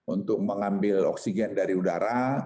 untuk mengambil oksigen dari udara